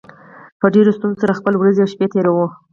په ډېرو ستونزو سره خپلې ورځې او شپې تېروو